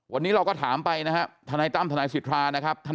วันนี้เราก็ถามไปนะฮะทนัยตั้มทนัยสิทธิ์ทรานะครับทนัย